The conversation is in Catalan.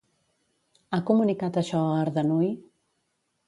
Ha comunicat això a Ardanuy?